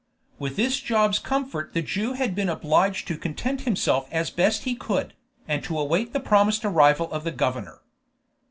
With this Job's comfort the Jew had been obliged to content himself as best he could, and to await the promised arrival of the governor.